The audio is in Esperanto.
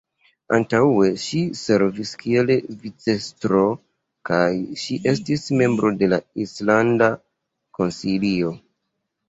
Antaŭe ŝi servis kiel vicestro kaj ŝi estis membro de Islanda Konsilio.